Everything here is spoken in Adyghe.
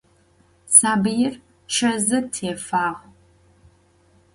Sabıir ççeze têfağ.